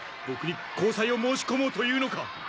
僕に交際を申し込もうというのか！